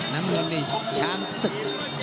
น้ำเงินนี่ช้างศึก